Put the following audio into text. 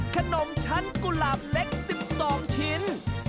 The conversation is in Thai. ขนมชั้นกุหลาบเล็ก๑๒ชิ้น